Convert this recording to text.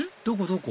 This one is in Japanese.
どこ？